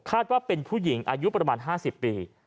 ว่าเป็นผู้หญิงอายุประมาณ๕๐ปี